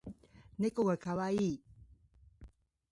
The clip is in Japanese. ねこがかわいい